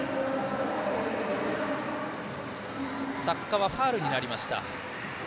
作家はファウルになりました。